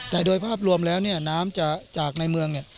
แต่โดยภาพรวมแล้วน้ำจากในเมือง